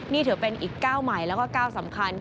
นี่เถอะเป็นอีกก้าวใหม่แล้วก็ก้าวสำคัญที่